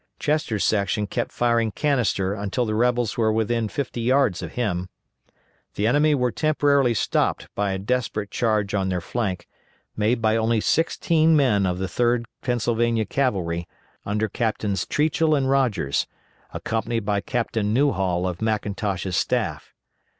Chester's section kept firing canister until the rebels were within fifty yards of him. The enemy were temporarily stopped by a desperate charge on their flank, made by only sixteen men of the 3d Pennsylvania Cavalry, under Captains Triechel and Rogers, accompanied by Captain Newhall of McIntosh's staff.